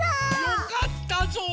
よかったぞう。